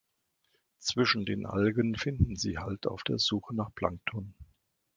Zwischen den Algen finden sie Halt auf der Suche nach Plankton.